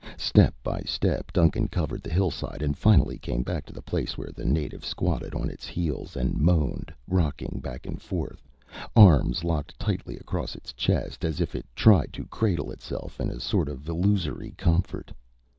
Step by step, Duncan covered the hillside and finally came back to the place where the native squatted on its heels and moaned, rocking back and forth, arms locked tightly across its chest, as if it tried to cradle itself in a sort of illusory comfort.